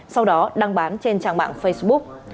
sau đó đăng bán trên trang mạng facebook